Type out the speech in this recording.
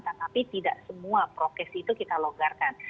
tetapi tidak semua prokes itu kita longgarkan